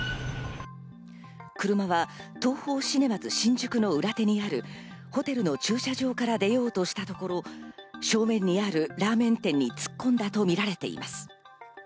車はＴＯＨＯシネマズ新宿の裏手にあるホテルの駐車場から出ようとしたところ、正面にあるラーメン店に突っ込んだとみられています。